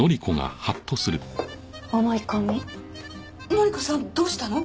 乃里子さんどうしたの？